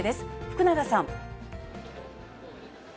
福永さん。